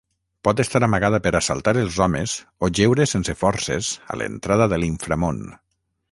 Pot estar amagada per assaltar els homes o jeure sense forces a l'entrada de l'inframón.